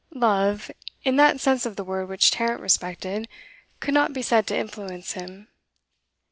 Love, in that sense of the word which Tarrant respected, could not be said to influence him.